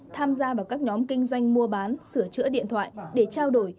tham gia vào các nhóm kinh doanh mua bán sửa chữa điện thoại để trao đổi